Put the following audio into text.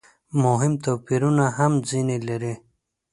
مهم توپیرونه هم ځنې لري.